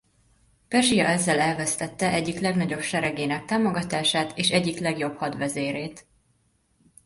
Perzsia ezzel elvesztette egyik legnagyobb seregének támogatását és egyik legjobb hadvezérét.